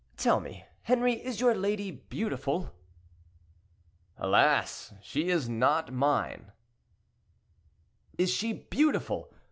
Tell me, Henri, is your lady beautiful?" "Alas! she is not mine." "Is she beautiful?